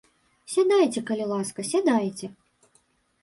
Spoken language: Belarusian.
Сядайце, калі ласка, сядайце!